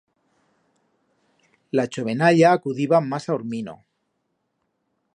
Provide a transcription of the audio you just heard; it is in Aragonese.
La chovenalla acudiba mas a ormino.